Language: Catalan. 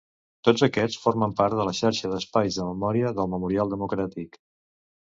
Tots aquests formen part de la Xarxa d’Espais de Memòria del Memorial Democràtic.